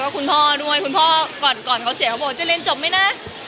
สุดท้ายก็เล่นจบนะ